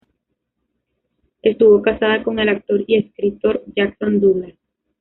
Estuvo casada con el actor y escritor Jackson Douglas.